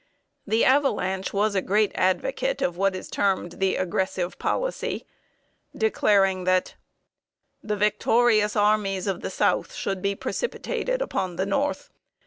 The Avalanche was a great advocate of what is termed the "aggressive policy," declaring that: "The victorious armies of the South should be precipitated upon the North.